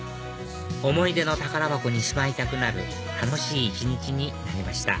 思い出の宝箱にしまいたくなる楽しい一日になりました